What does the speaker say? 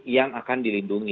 yang akan dilindungi